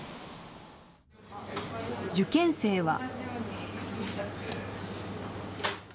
受験生は。